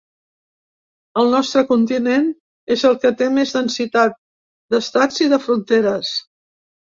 El nostre continent és el que té més densitat d’estats i de fronteres.